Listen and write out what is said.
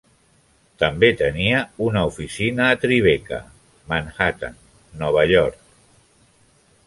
També tenia una oficina a Tribeca a Manhattan, Nova York.